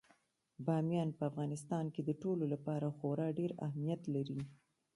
بامیان په افغانستان کې د ټولو لپاره خورا ډېر اهمیت لري.